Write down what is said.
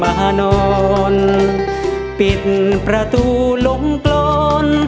ผู้มหานอนปิดประตูลงกลอน